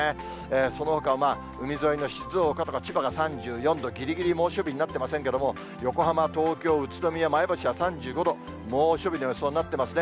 そのほか、海沿いの静岡とか千葉が３４度、ぎりぎり猛暑日になってませんけれども、横浜、東京、宇都宮、前橋は３５度、猛暑日の予想になっていますね。